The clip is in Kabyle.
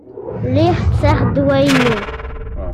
Lliɣ tesseɣ ddwa-inu.